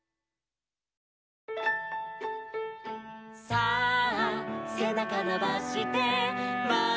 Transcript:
「さあせなかのばしてまえをむいて」